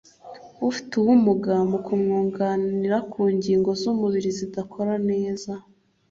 ufite ubumuga mu kumwunganira ku ngingo z'umubiri zidakora neza